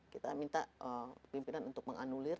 kita minta pimpinan untuk menganulir